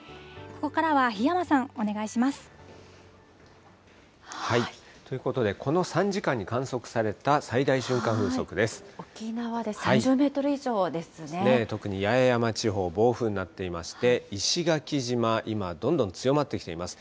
ここからは檜山さん、お願いしまということで、この３時間に沖縄で３０メートル以上ですですね、特に八重山地方、暴風になっていまして、石垣島、今、どんどん強まってきています。